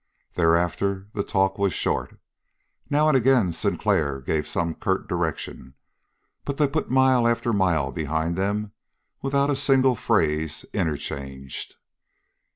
Thereafter the talk was short. Now and again Sinclair gave some curt direction, but they put mile after mile behind them without a single phrase interchanged.